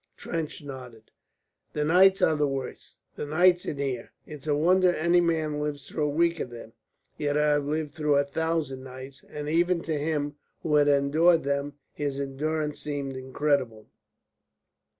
Trench nodded. "The nights are the worst, the nights in there. It's a wonder any man lives through a week of them, yet I have lived through a thousand nights." And even to him who had endured them his endurance seemed incredible.